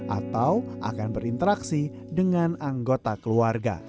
atau akan berinteraksi dengan anggota keluarga